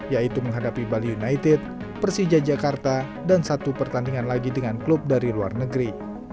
yaitu menghadapi bali united persija jakarta dan satu pertandingan lagi dengan klub dari luar negeri